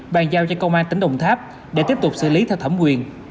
bàn giao cho công an tỉnh đồng tháp để tiếp tục xử lý theo thẩm quyền